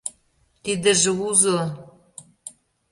Тидыже узо.